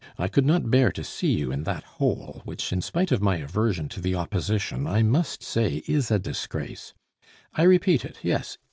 I could not bear to see you in that hole which, in spite of my aversion to the Opposition, I must say is a disgrace; I repeat it, yes!